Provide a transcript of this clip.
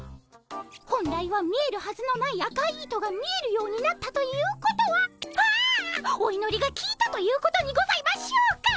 本来は見えるはずのない赤い糸が見えるようになったということはああおいのりがきいたということにございましょうか。